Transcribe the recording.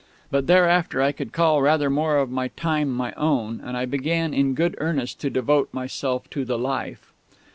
But thereafter I could call rather more of my time my own, and I began in good earnest to devote myself to the "Life."